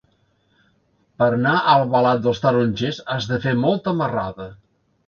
Per anar a Albalat dels Tarongers has de fer molta marrada.